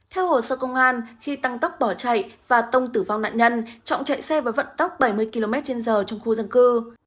theo hồ sơ công an khi tăng tốc bỏ chạy và tông tử vong nạn nhân trọng chạy xe với vận tốc bảy mươi km trên giờ trong khu dân cư